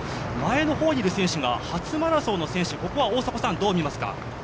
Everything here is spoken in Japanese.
前の方にいる選手が初マラソンの選手、どう見ますか？